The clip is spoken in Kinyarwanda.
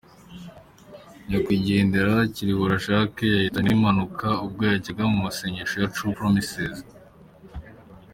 Nyakwigendera Kiruhura Jacques yahitanywe n'impanuka ubwo yajyaga mu masengesho ya True Promises.